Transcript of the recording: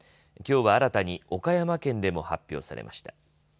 きょうは新たに岡山県でも発表されました。